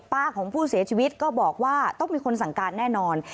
ของผู้เสียชีวิตก็บอกว่าต้องมีคนสั่งการแน่นอน